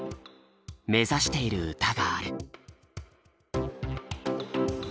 目指している歌がある。